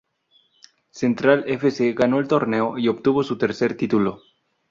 Central F. C. ganó el torneo y obtuvo su tercer título.